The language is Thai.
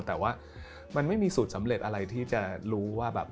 แต่ว่ามันไม่มีสูตรสำเร็จอะไรที่จะรู้ว่าแบบ